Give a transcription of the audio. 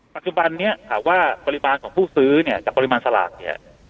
ปัจจุบันนี้ถามว่าปริมาณของผู้ซื้อเนี่ยจากปริมาณสลากเนี่ย